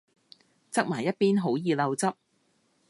側埋一邊好易漏汁